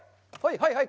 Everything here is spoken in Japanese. はいはい！